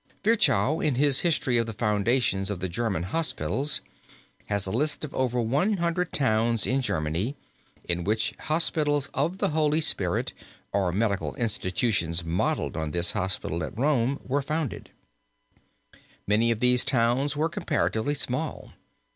Virchow in his History of the Foundations of the German Hospitals, has a list of over one hundred towns in Germany in which hospitals of the Holy Spirit, or medical institutions modeled on this hospital at Rome were founded. Many of these towns were comparatively small.